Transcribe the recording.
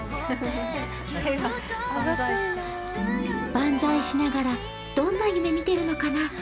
万歳しながらどんな夢見てるのかな？